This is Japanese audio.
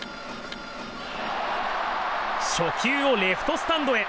初球をレフトスタンドへ。